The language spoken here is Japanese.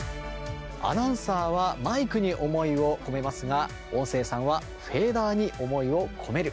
アナウンサーはマイクに思いを込めますが音声さんはフェーダーに思いを込める。